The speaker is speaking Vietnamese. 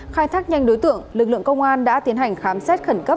khai thác nhanh đối tượng lực lượng công an đã tiến hành khám xét khẩn cấp